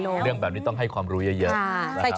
เรื่องแบบนี้ต้องให้ความรู้เยอะนะครับ